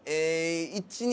１日。